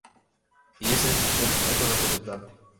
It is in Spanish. Y esta institución es su representante.